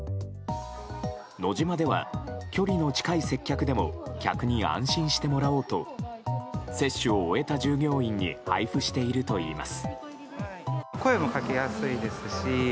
ノジマでは、距離の近い接客でも客に安心してもらおうと接種を終えた従業員に配布しているといいます。